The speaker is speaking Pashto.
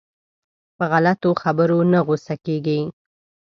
په غلطو خبرو نه غوسه کېږي.